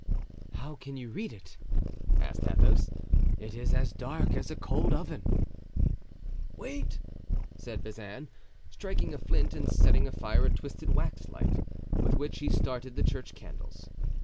"How can you read?" asked Athos, "it is as dark as a cold oven." "Wait," said Bazin, striking a flint, and setting afire a twisted wax light, with which he started the church candles.